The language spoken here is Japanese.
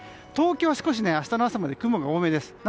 東京は少し明日の朝まで雲が多めです。